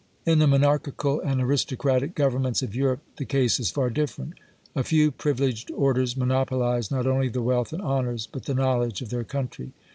" In the monarchical and aristocratic governments of Europe, the case is far different. A few privileged or ders monopolize not only the wealth and honors, but the knowledge of their country.